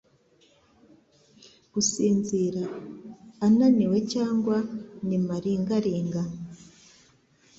Gusinzira. Ananiwe cyangwa ni malingaringa